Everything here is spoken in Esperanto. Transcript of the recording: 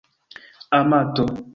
amato